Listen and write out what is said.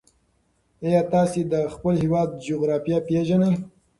ایا تاسې د خپل هېواد جغرافیه پېژنئ؟